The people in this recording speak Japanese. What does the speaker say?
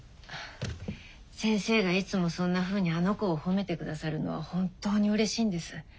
先生がいつもそんなふうにあの子を褒めてくださるのは本当にうれしいんです。